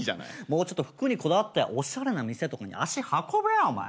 もうちょっと服にこだわっておしゃれな店とかに足運べよお前。